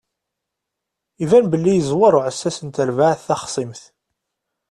Iban belli yeẓwer uɛessas n terbaɛt taxṣimt.